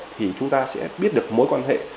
thì chúng ta sẽ biết được mối quan hệ